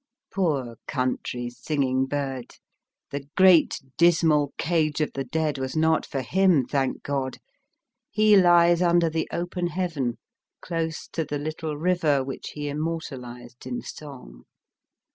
Poor country singing bird, the great Dismal Cage of the Dead was not for him> thank God ! He lies under the open Heaven, close to the little river which he immortalised in song.